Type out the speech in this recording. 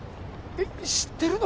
えっ知ってるの？